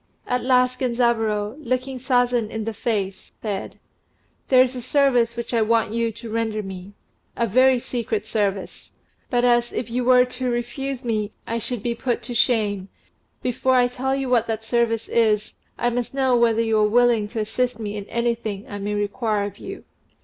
At last Genzaburô, looking Sazen in the face, said, "There is a service which I want you to render me a very secret service; but as if you were to refuse me, I should be put to shame, before I tell you what that service is, I must know whether you are willing to assist me in anything that I may require of you."